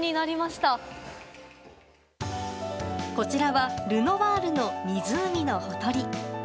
こちらはルノワールの「湖のほとり」。